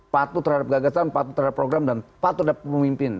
patuh terhadap gagasan patuh terhadap program dan patuh terhadap pemimpin